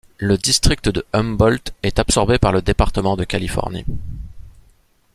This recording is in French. Le district de Humboldt est absorbé par le département de Californie.